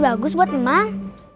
bagus buat emang